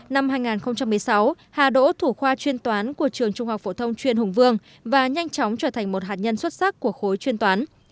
năm hai nghìn một mươi sáu hà đỗ thủ khoa chuyên toán của trường trung học phổ thông chuyên hùng vương và nhanh chóng trở thành một hạt nhân xuất sắc của khối chuyên toán